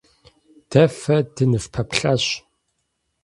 Дэ фэ дыныфпэплъащ.